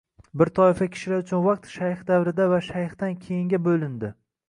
Bir toifa kishilar uchun vaqt “shayx davrida va shayxdan keyin”ga bo‘lindi.